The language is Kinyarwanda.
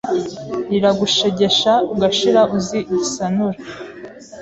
Riragushegesha ugashira Uzi Gisanura